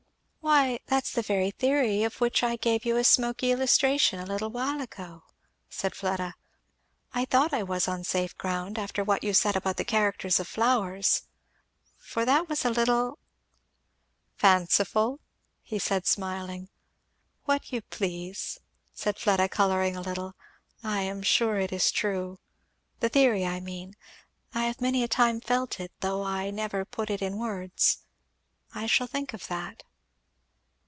"Why that is the very theory of which I gave you a smoky illustration a little while ago," said Fleda. "I thought I was on safe ground, after what you said about the characters of flowers, for that was a little " "Fanciful?" said he smiling. "What you please," said Fleda colouring a little, "I am sure it is true. The theory, I mean. I have many a time felt it, though I never put it in words. I shall think of that."